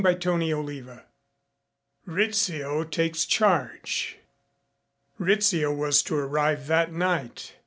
CHAPTER VI RIZZIO TAKES CHARGE Rizzio was to arrive that night.